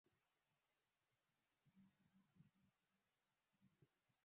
Katika mapokeo yao wenyewe ni Mtume Andrea aliyeleta mara ya kwanza